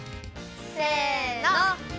せの。